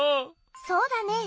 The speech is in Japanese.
そうだねえ。